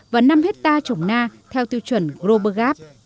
và năm ha trồng na theo tiêu chuẩn grover gáp